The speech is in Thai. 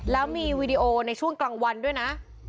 แล้วมีวีดีโอในช่วงกลางวันด้วยนะ